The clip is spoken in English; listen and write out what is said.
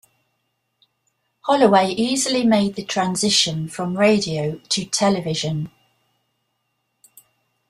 Holloway easily made the transition from radio to television.